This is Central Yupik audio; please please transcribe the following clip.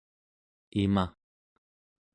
ima